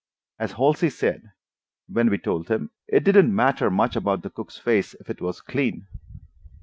As Halsey said, when we told him, it didn't matter much about the cook's face, if it was clean.